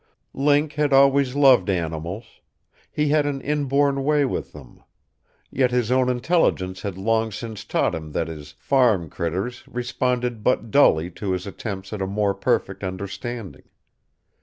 Link had always loved animals. He had an inborn "way" with them. Yet his own intelligence had long since taught him that his "farm critters" responded but dully to his attempts at a more perfect understanding.